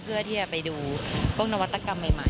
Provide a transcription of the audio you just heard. เพื่อที่จะไปดูพวกนวัตกรรมใหม่